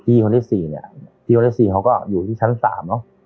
พี่คนที่สี่เนี้ยพี่คนที่สี่เขาก็อยู่ที่ชั้นสามเนอะ